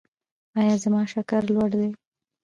ایا زما شکر لوړ دی؟